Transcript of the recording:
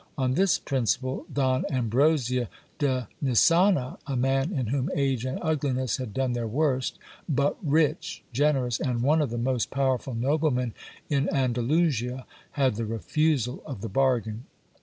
On this principle, Don Ambrosio de Xisana, a man in whom age and ugliness had done their worst, but rich, generous, and one of the most powerful noblemen in Andalusia, had the refusal of the bargain.